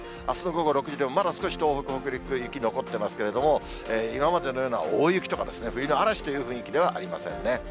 あすの午後６時でもまだ少し、東北、北陸、雪残ってますけれども、今までのような大雪とか、冬の嵐という雰囲気ではありませんね。